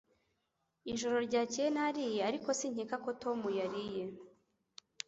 Ijoro ryakeye nariye ariko sinkeka ko Tom yariye